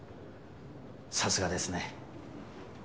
さすがですね。